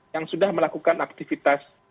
yang sudah melakukan aktivitas